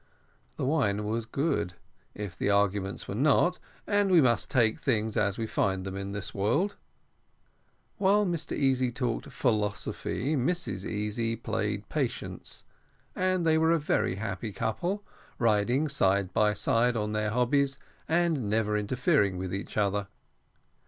The wine was good, if the arguments were not, and we must take things as we find them in this world. While Mr Easy talked philosophy, Mrs Easy played patience, and they were a happy couple, riding side by side on their hobbies, and never interfering with each other.